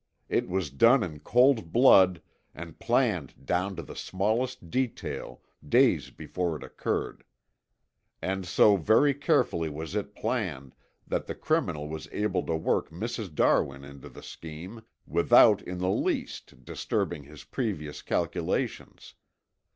It was done in cold blood, and planned down to the smallest detail, days before it occurred. And so very carefully was it planned that the criminal was able to work Mrs. Darwin into the scheme, without in the least disturbing his previous calculations.